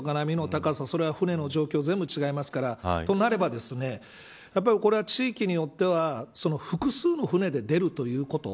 気象条件だとか波の高さ船の条件は全部違いますからとなると、やはりこれは地域によっては複数の船で出るということ。